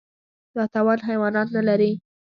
دا توان حیوانات نهلري.